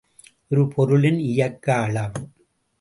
ஒரு பொருளின் இயக்க அளவு.